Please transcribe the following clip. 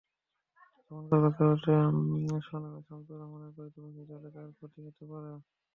তখনকার প্রেক্ষাপটে স্বনামে শামসুর রাহমানের কবিতা প্রকাশিত হলে তাঁর ক্ষতি হতে পারে।